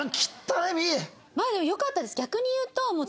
まあでもよかったです。